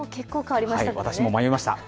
私も渋谷、迷いました。